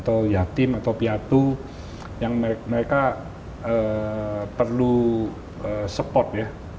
atau yatim atau piatu yang mereka perlu support ya